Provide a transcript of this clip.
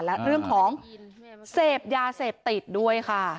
และเรื่องของเสพยาเสพติดด้วยค่ะ